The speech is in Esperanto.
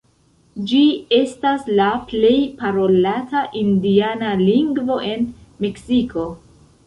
Ĝi estas la plej parolata indiana lingvo en Meksiko.